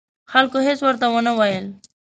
خلکو هېڅ ورته ونه ویل.